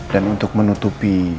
dan untuk menutupi